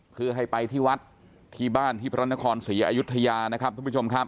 เพื่อให้ไปที่วัดที่บ้านที่พระนครศรีอยุธยานะครับทุกผู้ชมครับ